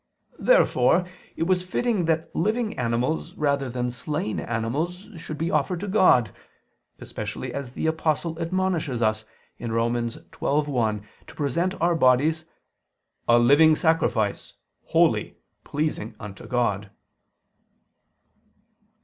Therefore it was fitting that living animals rather than slain animals should be offered to God, especially as the Apostle admonishes us (Rom. 12:1), to present our bodies "a living sacrifice, holy, pleasing unto God."